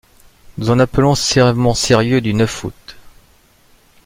Nous en appelons au serment sérieux du neuf août.